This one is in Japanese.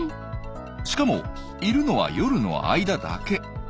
しかもいるのは夜の間だけ。